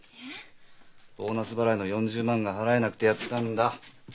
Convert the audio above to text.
ボーナス払いの４０万が払えなくてやったんだ。